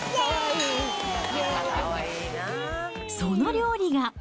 その料理が。